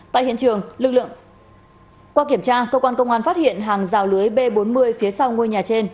tại hiện trường lực lượng qua kiểm tra công an tp sóc trăng phát hiện hàng rào lưới b bốn mươi phía sau ngôi nhà trên